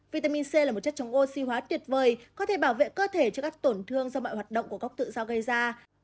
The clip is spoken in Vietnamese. vitamin c là một chất chống oxy hóa tuyệt vời có thể bảo vệ cơ thể cho các tổn thương do mọi hoạt động của cốc tự do gây ra